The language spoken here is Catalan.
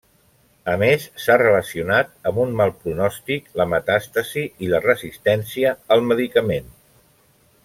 A més s’ha relacionat amb un mal pronòstic, la metàstasi i la resistència al medicament.